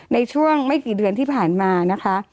ในช่วงไม่กี่เดือนที่ผ่านมานะคะ